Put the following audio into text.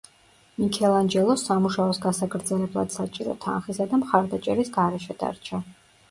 მიქელანჯელო სამუშაოს გასაგრძელებლად საჭირო თანხისა და მხარდაჭერის გარეშე დარჩა.